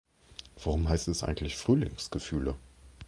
Warum heißt es eigentlich Frühlingsgefühle?